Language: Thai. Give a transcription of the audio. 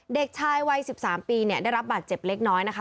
เด็กชายวัย๑๓ปีเนี่ยได้รับบาดเจ็บเล็กน้อยนะคะ